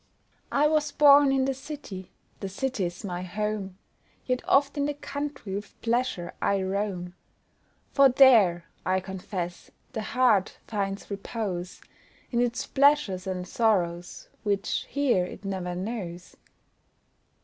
I was born in the city, the city's my home, Yet oft in the country with pleasure I roam; For there, I confess, the heart finds repose In its pleasures and sorrows, which here it ne'er knows.